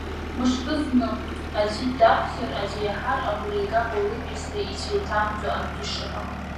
Мышкызны аӡәы даԥхьар, аӡәы иаҳар, агәра игап ауаҩытәыҩса ицәа иҭамӡо акгьы шыҟам!